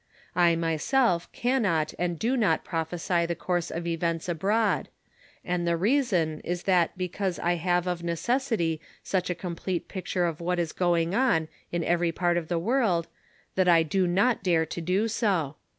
I myself cannot and do not prophesy the course of events abroad and the reason is that because I have of necessity such a complete picture of what is going on in every part of the world, that I do not dare to do so.